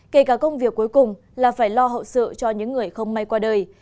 kể cả công việc cuối cùng là phải lo hậu sự cho những người không may qua đời